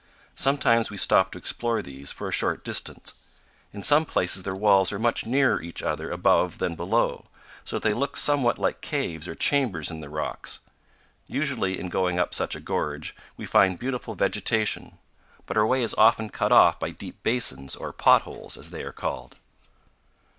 Sometimes we stop to explore these for a short distance. In some places their walls are much nearer each other above than below, so that they look somewhat like caves or chambers in the rocks. Usually, in going up such a gorge, we find beautiful vegetation; but our way is often cut off by deep basins, or "potholes," as they are called.